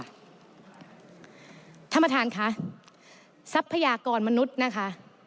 ท่านประธานค่ะทรัพยากรมนุษย์นะคะ